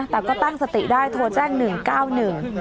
แต่ก็ตั้งสติได้โทรแจ้ง๑๙๑